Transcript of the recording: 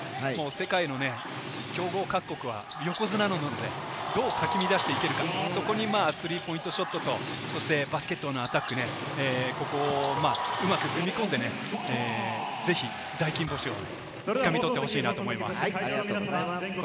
世界の強豪各国は、横綱なので、かき乱していけるか、そこにスリーポイントショットとバスケットのアタック、ここをうまく組み込んで、ぜひ大金星をつかみ取ってほしいなと思います。